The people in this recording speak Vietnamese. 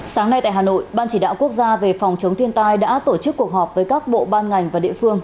sáng nay tại hà nội ban chỉ đạo quốc gia về phòng chống thiên tai đã tổ chức cuộc họp với các bộ ban ngành và địa phương